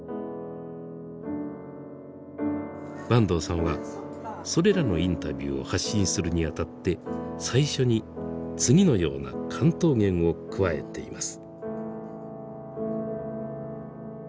坂東さんはそれらのインタビューを発信するにあたって最初に次のような巻頭言を加えています。